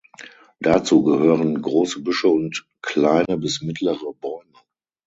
Dazu gehören große Büsche und kleine bis mittlere Bäume.